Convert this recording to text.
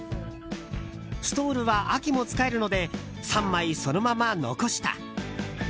ストールは秋も使えるので３枚そのまま残した。